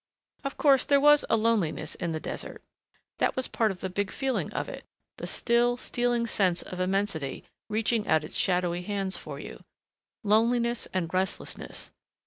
Of course there was a loneliness in the desert. That was part of the big feeling of it, the still, stealing sense of immensity reaching out its shadowy hands for you.... Loneliness and restlessness....